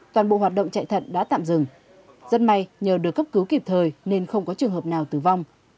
toàn bộ hoạt động chạy thận đã tạm dừng rất may nhờ được cấp cứu kịp thời nên không có trường hợp nào tử vong